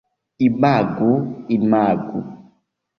Imagu... imagu...